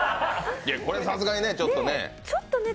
これ、さすがにちょっとね。